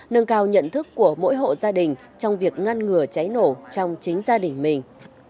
nâng cao nhận thức của mỗi hộ gia đình trong việc ngăn ngừa cháy nổ trong chính gia đình mình